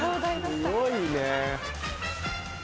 すごいね。